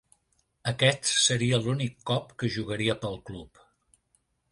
Aquest seria l'únic cop que jugaria pel club.